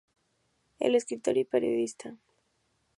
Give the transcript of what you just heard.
Es escritor y periodista.